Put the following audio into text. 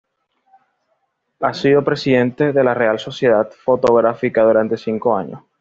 Ha sido presidente de la Real Sociedad Fotográfica durante cinco años.